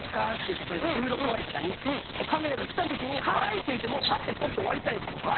例えば収録終わりとかにこうカメラがきた時に「ハイ」っていってもうパッ！って撮って終わりたいんです僕は。